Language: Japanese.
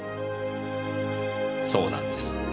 そうなんです。